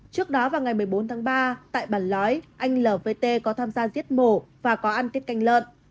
trước đó vào ngày một mươi bốn tháng ba tại bản lói anh lvt có tham gia giết mổ và có ăn tiết canh lợn